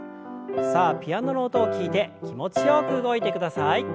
さあピアノの音を聞いて気持ちよく動いてください。